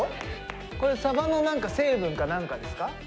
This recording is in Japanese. これサバの何か成分か何かですか？